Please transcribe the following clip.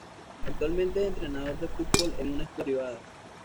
Actualmente es entrenador de fútbol en una escuela privada.